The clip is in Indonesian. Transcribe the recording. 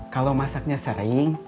kalau masaknya sering